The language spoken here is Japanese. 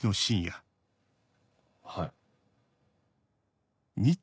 はい。